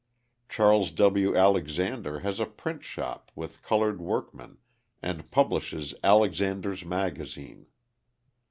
Charles W. Alexander has a print shop with coloured workmen and publishes Alexander's Magazine.